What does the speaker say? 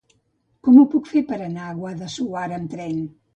Com ho puc fer per anar a Guadassuar amb tren?